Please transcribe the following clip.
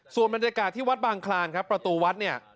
ส่วนบรรยากาศที่วัดบางคลานครับประตูวัดเนี่ย